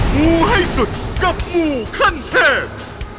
มูให้สุดกับมูขั้นแพง